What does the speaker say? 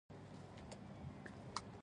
څوک په لمنو څوک په غاړو ستارې لګوي